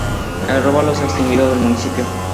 El róbalo, se ha extinguido del municipio.